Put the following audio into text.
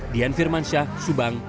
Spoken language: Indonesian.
dian firmansyah subang